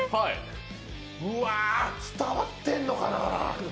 うわ、伝わってんのかな。